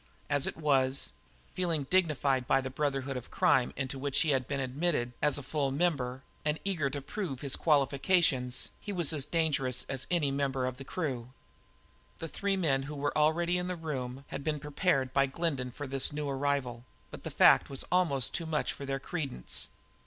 As it was, feeling dignified by the brotherhood of crime into which he had been admitted as a full member, and eager to prove his qualifications, he was as dangerous as any member of the crew. The three men who were already in the room had been prepared by Glendin for this new arrival, but the fact was almost too much for their credence.